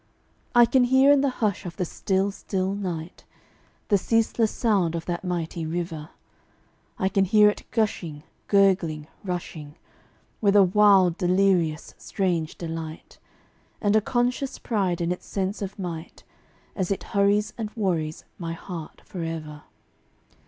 I can hear in the hush of the still, still night, The ceaseless sound of that mighty river; I can hear it gushing, gurgling, rushing, With a wild, delirious, strange delight, And a conscious pride in its sense of might, As it hurries and worries my heart forever.